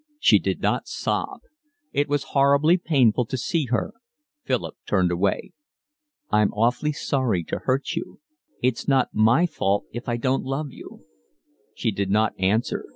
She did not sob. It was horribly painful to see her. Philip turned away. "I'm awfully sorry to hurt you. It's not my fault if I don't love you." She did not answer.